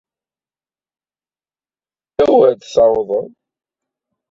Awer t-tawḍed.